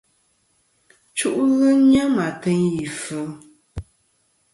Chu'lɨ nyam ateyn ì kfɨ.